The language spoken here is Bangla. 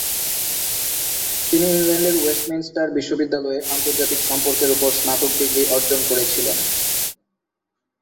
তিনি ইংল্যান্ডের ওয়েস্টমিনস্টার বিশ্ববিদ্যালয়ে আন্তর্জাতিক সম্পর্কের উপর স্নাতক ডিগ্রি অর্জন করেছিলেন।